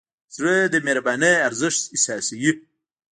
زړه د مهربانۍ ارزښت احساسوي.